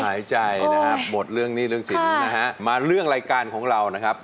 หายใจนะครับหมดเรื่องหนี้เรื่องสินนะฮะมาเรื่องรายการของเรานะครับ